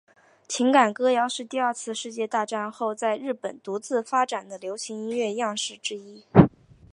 情感歌谣是第二次世界大战后在日本独自发展的流行音乐样式之一。